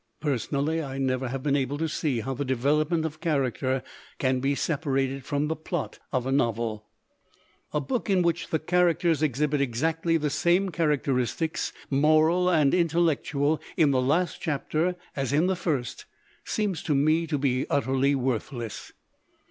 Personally, I never have been able to see how the development of character can be separated from the plot of a novel. A book in which the characters exhibit exactly the same characteristics, moral and in tellectual, in the last chapter as in the first, seems to me to be utterly worthless.